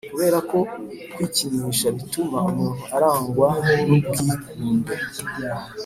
Kubera ko kwikinisha bituma umuntu arangwa n ubwikunde